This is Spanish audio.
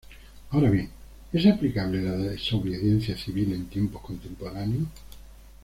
Ahora bien, ¿Es aplicable la desobediencia civil en tiempos contemporáneos?